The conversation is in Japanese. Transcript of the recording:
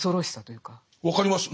分かります。